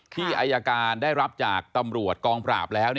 ที่อายการได้รับจากตำรวจกองปราบแล้ว